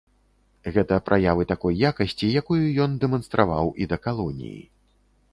Гэта праявы такой якасці, якую ён дэманстраваў і да калоніі.